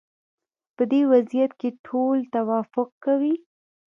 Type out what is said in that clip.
په دې وضعیت کې ټول توافق کوي.